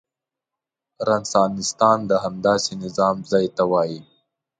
رنسانستان د همداسې نظام ځای ته وايي.